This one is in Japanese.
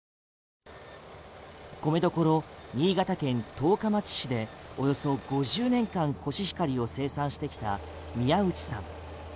米どころ、新潟県十日町市でおよそ５０年間コシヒカリを生産してきた宮内さん。